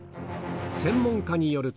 専門家によると。